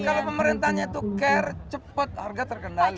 kalau pemerintahnya itu care cepat harga terkendali